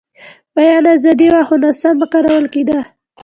بیان ازادي وه، خو ناسمه کارول کېده.